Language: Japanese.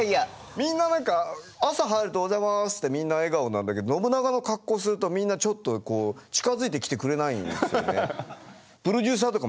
みんな何か朝入るとおはようございますってみんな笑顔なんだけど信長の格好するとみんなちょっと近づいてきてくれないんですよね。